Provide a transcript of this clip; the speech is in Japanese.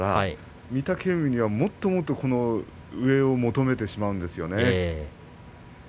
御嶽海にはもっともっと上を求めてしまうんですよね。